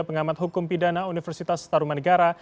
pengamat hukum pidana universitas taruman negara